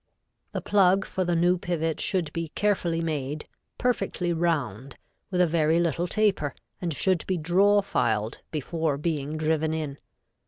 The plug for the new pivot should be carefully made, perfectly round, with a very little taper, and should be draw filed before being driven in.